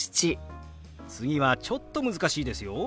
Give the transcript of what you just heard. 次はちょっと難しいですよ。